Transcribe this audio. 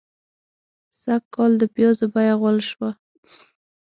سږکال د پيازو بيه غول شوه.